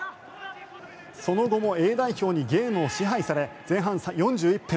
その後もＡ代表にゲームを支配され前半４１分